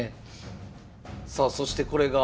さあそしてこれが。